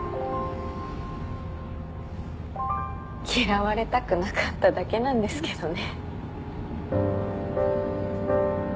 嫌われたくなかっただけなんですけどね。